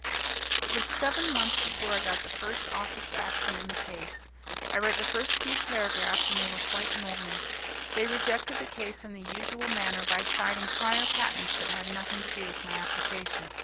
It was seven months before I got the first Office Action in the Case. I read the first few paragraphs and they were quite normal. They rejected the Case in the usual manner by citing prior patents that had nothing to do with my application.